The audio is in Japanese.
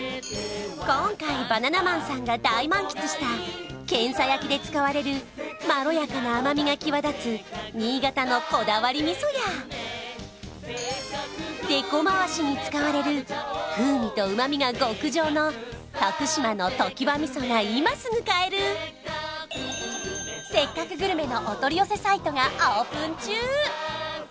今回バナナマンさんが大満喫したけんさ焼きで使われるまろやかな甘みが際立つ新潟のこだわり味噌やでこまわしに使われる風味と旨みが極上の徳島の常盤味噌が今すぐ買える「せっかくグルメ！！」のお取り寄せサイトがオープン中